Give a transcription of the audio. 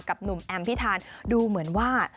หนุ่มแอมพิธานดูเหมือนว่า